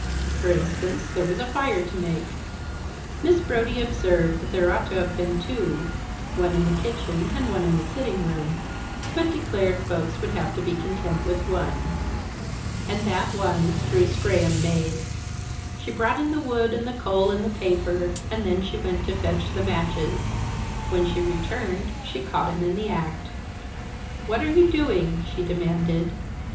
For instance, there was a fire to make. Miss Brodie observed that there ought to have been two, one in the kitchen, and one in the sitting room; but declared that folks would have to be content with one. And that one Bruce Graham made. She brought in the wood, and the coal, and the paper; and then she went to fetch the matches. When she returned she caught him in the act. "What are you doing?" she demanded.